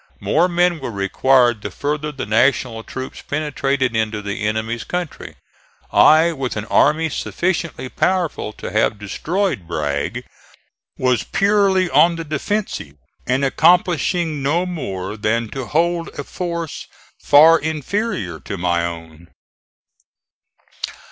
More men were required the farther the National troops penetrated into the enemy's country. I, with an army sufficiently powerful to have destroyed Bragg, was purely on the defensive and accomplishing no more than to hold a force far inferior to my own.